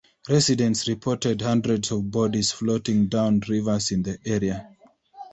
Residents reported hundreds of bodies floating down rivers in the area.